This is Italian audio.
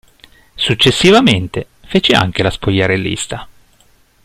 Successivamente, fece anche la spogliarellista.